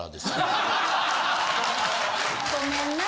・ごめんな・